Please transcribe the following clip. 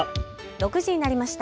６時になりました。